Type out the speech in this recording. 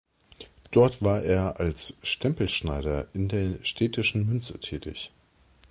Dort war er als Stempelschneider in der städtischen Münze tätig.